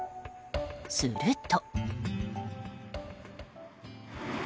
すると。